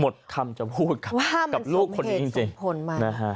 หมดคำจะพูดกับลูกคนนี้จริง